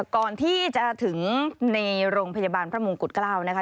ก่อนที่จะถึงในโรงพยาบาลพระมงกุฎเกล้านะคะ